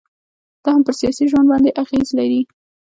دا هم پر سياسي ژوند باندي اغيزي لري